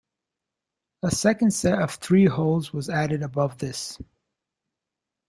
A second set of three holes was added above this.